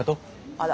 あら。